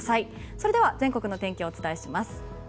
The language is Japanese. それでは全国の天気をお伝えします。